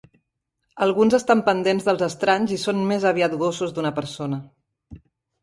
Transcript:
Alguns estan pendents dels estranys i són més aviat gossos d'una persona.